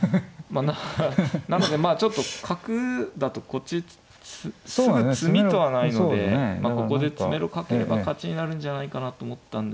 なのでちょっと角だとこっちすぐ詰みとはないのでここで詰めろかければ勝ちになるんじゃないかなと思ったんですけど。